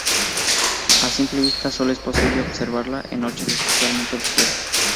A simple vista solo es posible observarla en noches especialmente oscuras.